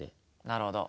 なるほど。